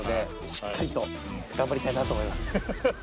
しっかりと頑張りたいなと思います。